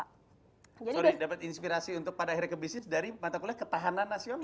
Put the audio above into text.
sorry dapat inspirasi untuk pada akhirnya ke bisnis dari mata kuliah ketahanan nasional